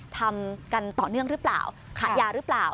ทำกันต่อเนื่องหรือเปล่าขาดยาหรือเปล่า